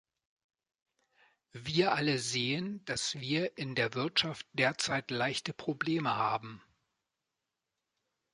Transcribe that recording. Wir alle sehen, dass wir in der Wirtschaft derzeit leichte Probleme haben.